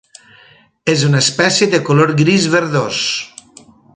És una espècie de color gris verdós.